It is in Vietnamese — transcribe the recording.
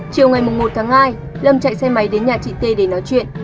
chiều ngày một tháng hai lâm chạy xe máy đến nhà chị t để nói chuyện